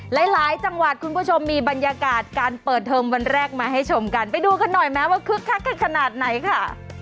หลายจังหวัดคุณผู้ชมมีบรรยากาศการเปิดเทอมวันแรกมาให้ชมกันไปดูกันหน่อยไหมว่าคึกคักกันขนาดไหนค่ะ